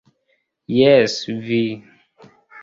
Jes, vi.